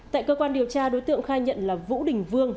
tại cơ quan điều tra đối tượng khai nhận là vũ đình vương